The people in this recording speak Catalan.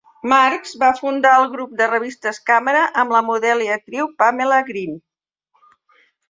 Marks va fundar el grup de revistes Kamera amb la model i actriu Pamela Green.